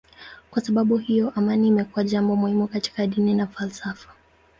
Kwa sababu hiyo amani imekuwa jambo muhimu katika dini na falsafa.